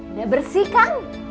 udah bersih kang